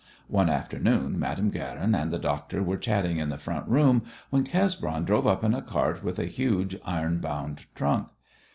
One afternoon Madame Guerin and the doctor were chatting in the front room, when Cesbron drove up in a cart with a huge, iron bound trunk.